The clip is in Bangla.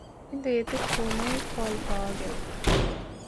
কিন্তু এতে কোনোই ফল পাওয়া গেল না।